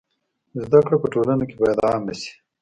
زده کړه په ټولنه کي بايد عامه سي.